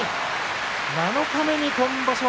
七日目に今場所